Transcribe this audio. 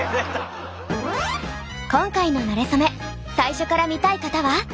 今回の「なれそめ」最初から見たい方は。